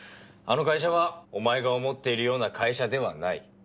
あの会社はお前が思っているような会社ではない。